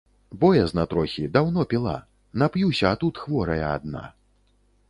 Боязна трохі, даўно піла, нап'юся, а тут хворая адна.